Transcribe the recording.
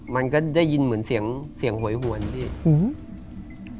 มันก็ได้ยินเหมือนเสียงหวยหวนพี่